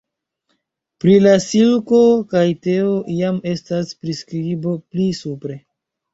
Pri la silko kaj teo jam estas priskribo pli supre.